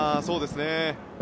そうですね。